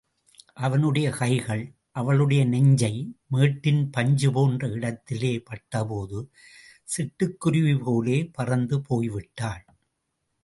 அவனுடைய கைகள் அவளுடைய நெஞ்சு மேட்டின் பஞ்சு போன்ற இடத்திலே பட்டபோது சிட்டுக்குருவி போல பறந்து போய் விட்டாள்.